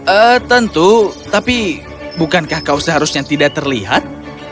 eh tentu tapi bukankah kau seharusnya tidak terlihat